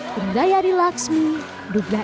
tenggara rilaksmi dubla endrianto